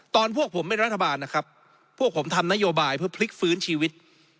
พวกผมเป็นรัฐบาลนะครับพวกผมทำนโยบายเพื่อพลิกฟื้นชีวิต